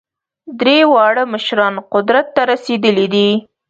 درې واړه مشران قدرت ته رسېدلي دي.